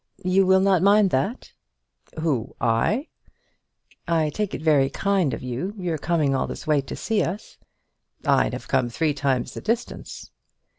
You will not mind that?" "Who? I?" "I take it very kind of you, your coming all this way to see us " "I'd have come three times the distance."